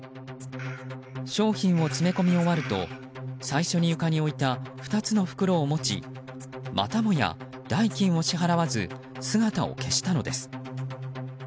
商品を詰め込み終わると最初に床に置いた２つの袋を持ちまたもや代金を支払わず姿を消したのです。